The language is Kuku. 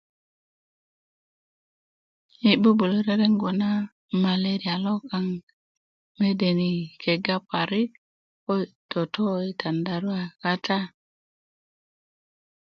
yi bubulö rereŋgu na maleria lo kaŋ mede ni kega parik ko yi toto i tandarua kata